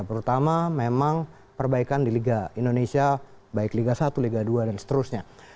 terutama memang perbaikan di liga indonesia baik liga satu liga dua dan seterusnya